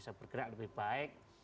bisa bergerak lebih baik